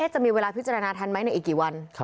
จะมีเวลาพิจารณาทันไหมในอีกกี่วัน